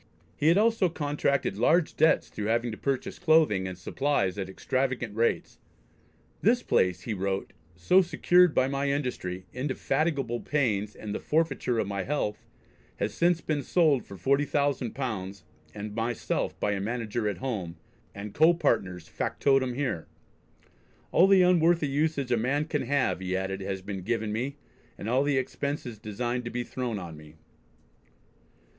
He had also contracted large debts through having to purchase clothing and supplies at extravagant rates. "This place," he wrote, "so secured by my industry; indefatigable pains, and the forfeiture of my health, has since been sold for forty thousand pounds and myself by a manager at home, and Co partners' factotem here. All the unworthy usage a man can have," he added, "has been given me, and all the expenses designed to be thrown on me."